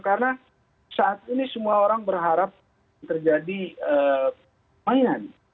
karena saat ini semua orang berharap terjadi permainan